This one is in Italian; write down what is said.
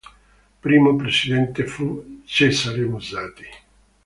Primo presidente fu Cesare Musatti.